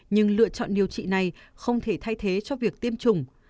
nhưng lựa chọn điều trị này không thể thay thế cho việc tiêm chủng